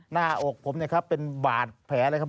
หน้าอกผมเนี่ยครับเป็นบาดแผลเลยครับ